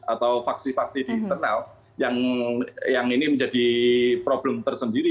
atau faksi faksi di internal yang ini menjadi problem tersendiri